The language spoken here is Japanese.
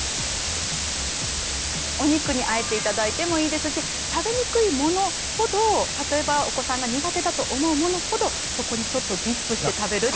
お肉にあえて頂いてもいいですし食べにくいものほど例えばお子さんが苦手だと思うものほどそこにちょっとディップして食べるっていうのが。